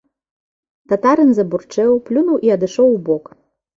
Татарын забурчэў, плюнуў і адышоў убок.